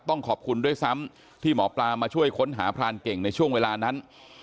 ต้องขอบคุณด้วยซ้ำที่หมอปลามาช่วยค้นหาพรานเก่งในช่วงเวลานั้น